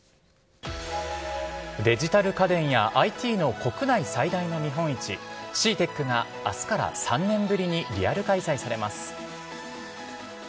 デジタル家電やＩＴの国内最大の見本市、ＣＥＡＴＥＣがあすから３年ぶりにリアル開催されます。